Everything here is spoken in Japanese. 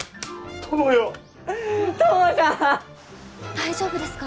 大丈夫ですか？